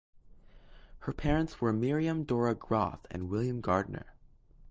Her parents were Miriam Dora Groth and William Gardner.